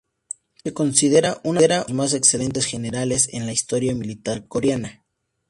Se considera uno de los más excelentes generales en la historia militar coreana.